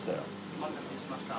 お待たせしました。